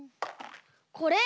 これ。